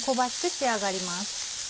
仕上がります。